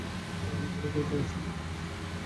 আমি তোমাদের অবস্থান দেখতে পাচ্ছি।